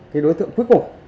cái đối tượng cuối cùng